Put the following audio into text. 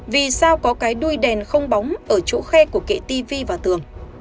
vì sao có cái đuôi đèn không bóng ở chỗ khe của kệ tv và tường